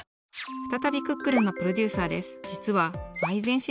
ふたたび「クックルン」のプロデューサーです。